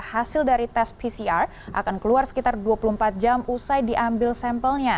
hasil dari tes pcr akan keluar sekitar dua puluh empat jam usai diambil sampelnya